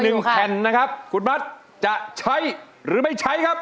เหลืออีก๑แข่นนะครับคุณมัสจะใช้หรือไม่ใช้ครับ